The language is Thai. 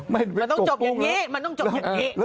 มันต้องจบอย่างนี้มันต้องจบอย่างนี้